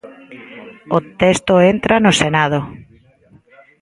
O texto entra no Senado.